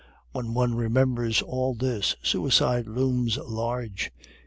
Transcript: When one remembers all this, suicide looms large.